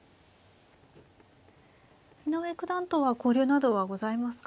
井上九段とは交流などはございますか。